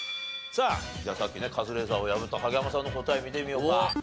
さあじゃあさっきねカズレーザーを破った影山さんの答え見てみようか。